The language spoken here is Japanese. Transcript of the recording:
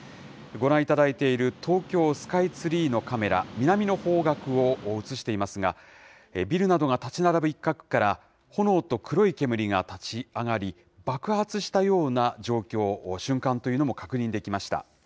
ご覧いただいている東京スカイツリーのカメラ、南の方角を映していますが、ビルなどが建ち並ぶ一角から炎と黒い煙が立ち上がり、爆発したような状況、瞬間というのも確認できました。